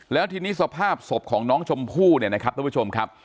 แล้วทีนี้สภาพศพของน้องชมพู่เนี่ยนะครับทุกผู้ชมครับ